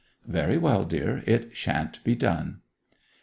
'Very well, dear, it shan't be done.